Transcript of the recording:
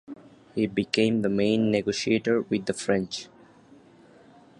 He became the main negotiator with the French.